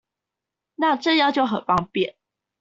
那這樣就很方便